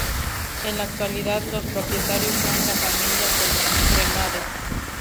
En la actualidad los propietarios son la familia Cremades.